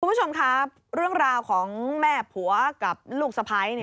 คุณผู้ชมครับเรื่องราวของแม่ผัวกับลูกสะพ้าย